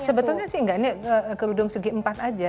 sebetulnya sih enggak ini kerudung segi empat aja